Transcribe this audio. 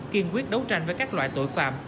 kiên quyết đấu tranh với các loại tội phạm